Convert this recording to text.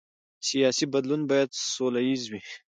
سیاسي بدلون باید سوله ییز وي